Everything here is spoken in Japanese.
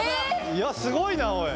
いやすごいなおい。